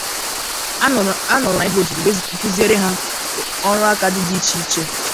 A nọrọ na ya bụ ọzụzụ wee kụziere ha ọrụakadị iche iche